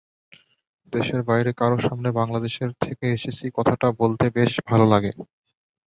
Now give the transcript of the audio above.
দেশের বাইরে কারও সামনে বাংলাদেশ থেকে এসেছি, কথাটা বলতে বেশ ভালো লাগে।